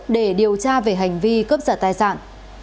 để điều tra về hành vi cướp giật tài sản